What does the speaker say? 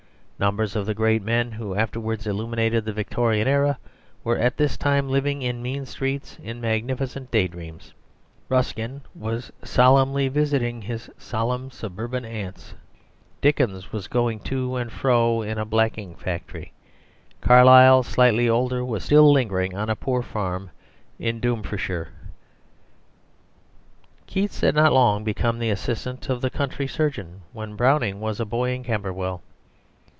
Numbers of the great men, who afterwards illuminated the Victorian era, were at this time living in mean streets in magnificent daydreams. Ruskin was solemnly visiting his solemn suburban aunts; Dickens was going to and fro in a blacking factory; Carlyle, slightly older, was still lingering on a poor farm in Dumfriesshire; Keats had not long become the assistant of the country surgeon when Browning was a boy in Camberwell.